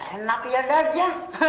enak ya dad ya